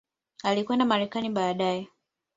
Alikwenda Marekani baadaye.